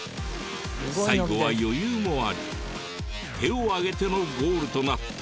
最後は余裕もあり手を上げてのゴールとなった！